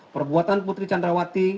perbuatan putri chandrawati